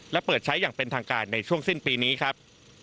และเปิดใช้อย่างเป็นทางการในช่วงสิ้นปีนี้ครับ